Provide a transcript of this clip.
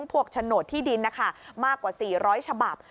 โฉนดที่ดินนะคะมากกว่า๔๐๐ฉบับ